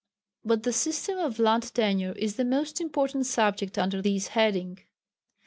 But the system of land tenure is the most important subject under this heading.